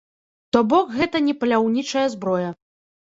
То бок гэта не паляўнічая зброя.